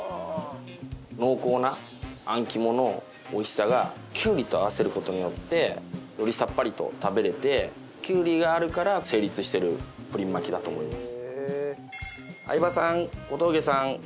濃厚なあん肝の美味しさがきゅうりと合わせる事によってよりさっぱりと食べられてきゅうりがあるから成立してるプリン巻きだと思います。